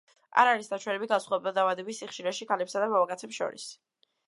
არ არის ნაჩვენები განსხვავება დაავადების სიხშირეში ქალებსა და მამაკაცებს შორის.